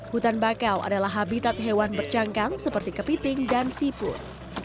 hutan bakau adalah habitat hewan bercangkang seperti kepiting dan siput